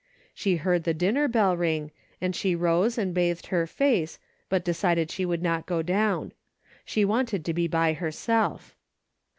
She heard the dinner bell ring, and she rose and bathed her face, but decided she would not go down. She wanted to be by herself.